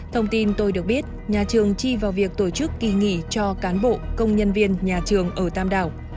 thông tin tôi được biết nhà trường chi vào việc tổ chức kỳ nghỉ cho cán bộ công nhân viên nhà trường ở tam đảo